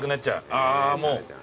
あぁもう。